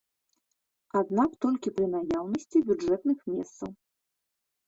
Аднак толькі пры наяўнасці бюджэтных месцаў.